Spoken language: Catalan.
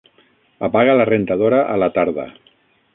Apaga la rentadora a la tarda.